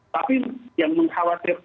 tapi yang mengkhawatir